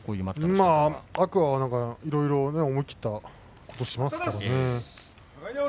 天空海はいろいろ思い切ったことをしますからね。